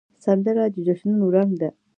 سندره د جشنونو رنګ ده